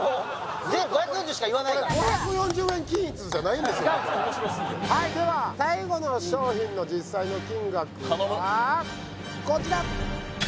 ５４０円しか言わないからはいでは最後の商品の実際の金額はこちら頼む